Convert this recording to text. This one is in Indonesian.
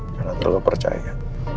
jangan terlalu percaya